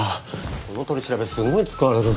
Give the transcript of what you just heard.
この取り調べすごい疲れる。